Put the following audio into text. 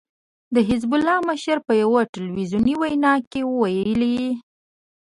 د حزب الله مشر په يوه ټلويزیوني وينا کې ويلي